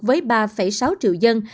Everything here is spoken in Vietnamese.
với ba sáu triệu dân